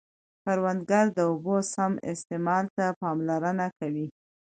کروندګر د اوبو سم استعمال ته پاملرنه کوي